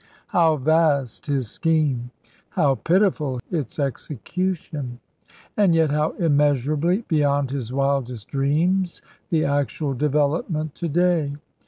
How vast his scheme! How pitiful its execution! And yet how immeasurably beyond his wildest dreams the actual development to day!